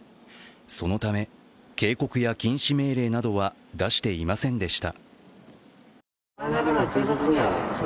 そのため、警告や禁止命令などは出していませんでした。